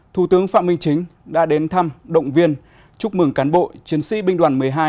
thủ tướng phạm minh chính đã đến thăm động viên chúc mừng cán bộ chiến sĩ binh đoàn một mươi hai